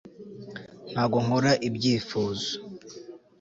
ntabwo nkora ibyifuzo